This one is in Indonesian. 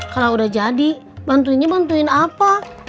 kalau udah jadi bantuinnya bantuin apa